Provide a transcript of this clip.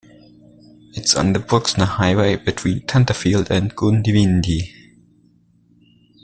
It is on the Bruxner Highway between Tenterfield and Goondiwindi.